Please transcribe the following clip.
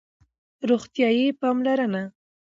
روغتیایی پاملرنه